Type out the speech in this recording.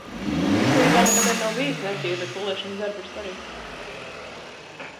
Īstenībā nekad ar’ nav bijusi netīra, bet pulēšanas darbi ir svarīgi.